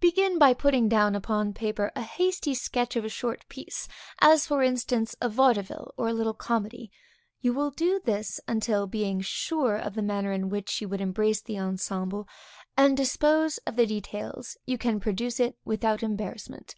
Begin by putting down upon paper a hasty sketch of a short piece, as for instance a vaudeville, or a little comedy. You will do this until, being sure of the manner in which you would embrace the ensemble, and dispose of the details, you can produce it without embarrassment.